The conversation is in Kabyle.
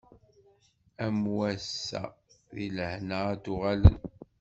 Am wass-a di lehna ad d-uɣalen.